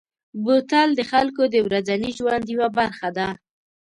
بوتل د خلکو د ورځني ژوند یوه برخه ده.